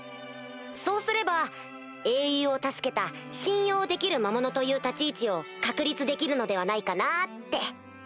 そうすれば英雄を助けた信用できる魔物という立ち位置を確立できるのではないかなって。